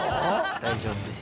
大丈夫です。